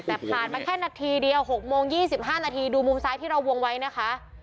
แต่ผ่านมาแค่นาทีเดียว๖โมง๒๕นาทีดูมุมซ้ายที่เราวงไว้นะคะ